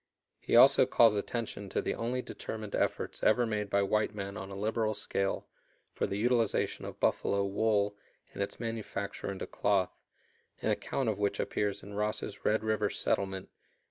He also calls attention to the only determined efforts ever made by white men on a liberal scale for the utilization of buffalo "wool" and its manufacture into cloth, an account of which appears in Ross's "Red River Settlement," pp.